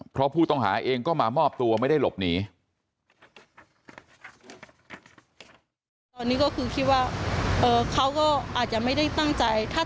เพราะผู้ต้องหาเองก็มามอบตัวไม่ได้หลบหนี